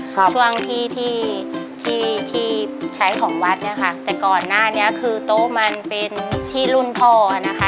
ช่วงที่ที่ที่ใช้ของวัดเนี้ยค่ะแต่ก่อนหน้านี้คือโต๊ะมันเป็นที่รุ่นพ่ออ่ะนะคะ